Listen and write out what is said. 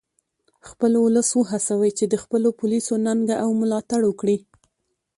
خپل ولس و هڅوئ چې د خپلو پولیسو ننګه او ملاتړ وکړي